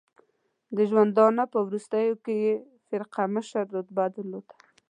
د ژوندانه په وروستیو کې یې فرقه مشر رتبه درلوده.